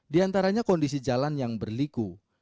di antaranya kondisi jalan yang berliku